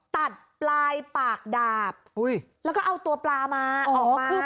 ตัดปลายปากดาบแล้วก็เอาตัวปลามาออกมา